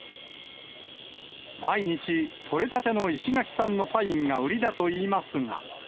毎日、採れたての石垣産のパインが売りだといいますが。